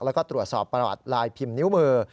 แล้วก็ตรวจสอบประวัติลายพิมพ์นิ้วมือ